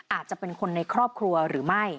อาจจะเป็นคนในครอบครัวหรือไม่